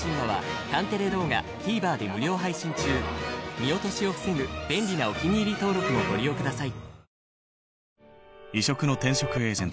見落としを防ぐ便利なお気に入り登録もご利用ください。